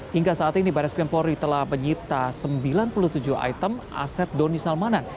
hingga saat ini baris krimpori telah menyita sembilan puluh tujuh item aset doni salmanan